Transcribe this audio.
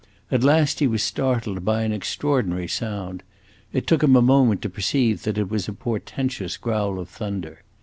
At last he was startled by an extraordinary sound; it took him a moment to perceive that it was a portentous growl of thunder.